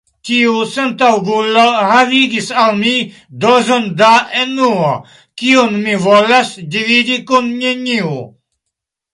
Tiu sentaŭgulo havigis al mi dozon da enuo, kiun mi volas dividi kun neniu.